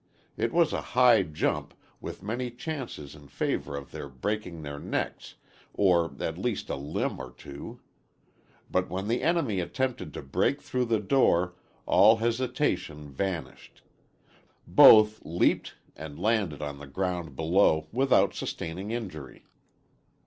It was a high jump, with many chances in favor of their breaking their necks, or at least a limb or two. But when the enemy attempted to break through the door all hesitation vanished. Both leaped and landed on the ground below without sustaining injury.